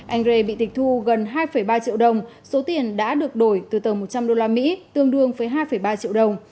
anh rê bị tịch thu gần hai ba triệu đồng số tiền đã được đổi từ tờ một trăm linh usd tương đương với hai ba triệu đồng